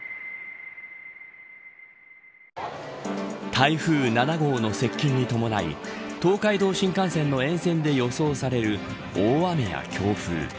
台風７号の接近に伴い東海道新幹線の沿線で予想される大雨や強風。